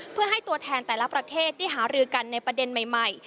เพื่อให้ตัวแทนแต่ละประเทศได้หารือกันในประเด็นใหม่